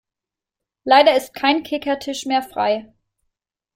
Leider ist kein Kickertisch mehr frei.